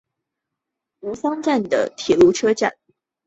吾桑站的铁路车站。